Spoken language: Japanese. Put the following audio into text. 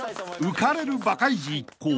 ［浮かれるバカイジ一行］